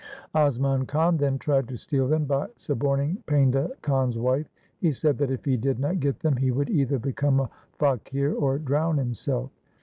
Asman Khan then tried to steal them by suborning Painda Khan's wife. He said that if he did not get them, he would either became a faqir or drown himself.